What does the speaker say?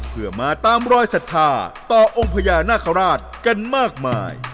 เพื่อมาตามรอยศรัทธาต่อองค์พญานาคาราชกันมากมาย